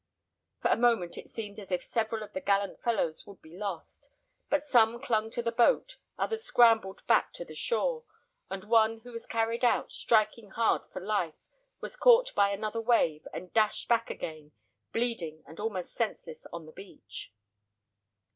For a moment it seemed as if several of the gallant fellows would be lost; but some clung to the boat, others scrambled back to the shore, and one, who was carried out, striking hard for life, was caught by another wave, and dashed back again, bleeding and almost senseless, on the beach.